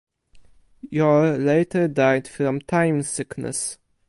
Yor later died from time sickness.